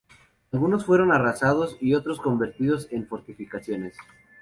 Algunos fueron arrasados y otros convertidos en fortificaciones.